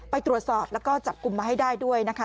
ไปตรวจสอบแล้วก็จับกลุ่มมาให้ได้ด้วยนะคะ